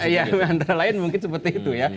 ya antara lain mungkin seperti itu ya